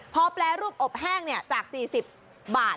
พอแปรรูปอบแห้งจาก๔๐บาท